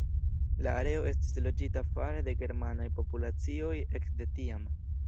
La areo estis loĝita fare de germanaj populacioj ekde tiam.